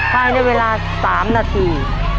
ใครในเวลา๓นาที